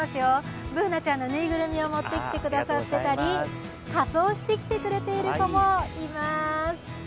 Ｂｏｏｎａちゃんのぬいぐるみを持ってきてくださっていたり仮装してきてくれている子もいます。